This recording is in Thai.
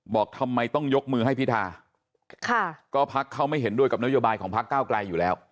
บอกทำไมต้องยกมือให้พิธาค่ะก็พักเขาไม่เห็นด้วยกับนโยบายของพักเก้าไกลอยู่แล้ว